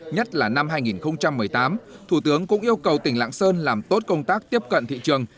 nhất là năm hai nghìn một mươi tám thủ tướng cũng yêu cầu tỉnh lạng sơn làm tốt công tác tiếp cận thị trường